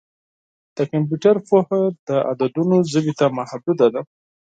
د کمپیوټر پوهه د عددونو ژبې ته محدوده ده.